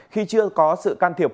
khi chưa có sự can thiệp